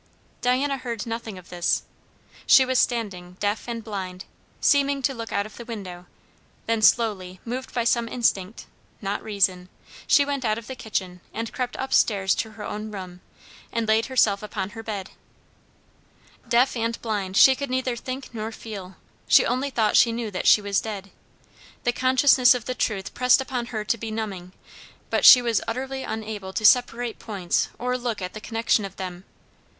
Diana heard nothing of this. She was standing, deaf and blind, seeming to look out of the window; then slowly, moved by some instinct, not reason, she went out of the kitchen and crept up stairs to her own room and laid herself upon her bed. Deaf and blind; she could neither think nor feel; she only thought she knew that she was dead. The consciousness of the truth pressed upon her to benumbing; but she was utterly unable to separate points or look at the connection of them.